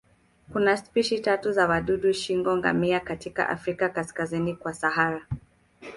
Kuna spishi tatu tu za wadudu shingo-ngamia katika Afrika kaskazini kwa Sahara.